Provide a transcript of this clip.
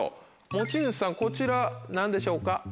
持ち主さんこちら何でしょうか？